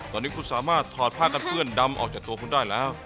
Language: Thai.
ตอนนี้คุณสามารถถอดผ้ากันเปื้อนดำออกจากตัวคุณได้แล้ว